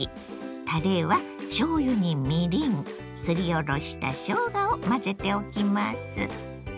たれはしょうゆにみりんすりおろしたしょうがを混ぜておきます。